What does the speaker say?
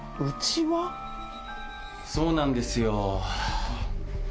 ・そうなんですよ・